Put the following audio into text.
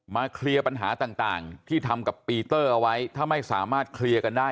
เคลียร์ปัญหาต่างที่ทำกับปีเตอร์เอาไว้ถ้าไม่สามารถเคลียร์กันได้